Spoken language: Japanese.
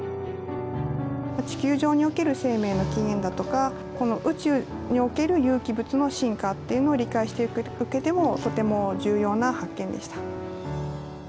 地球上における生命の起源だとか宇宙における有機物の進化というのを理解していく上でもとても重要な発見でした。